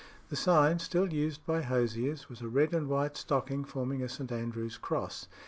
The sign, still used by hosiers, was a red and white stocking forming a St. Andrew's Cross.